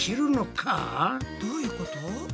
どういうこと？